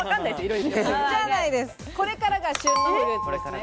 これからが旬のフルーツですね。